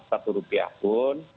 satu rupiah pun